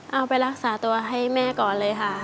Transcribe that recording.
เอาไปรักษาตัวให้แม่ก่อนเลยค่ะ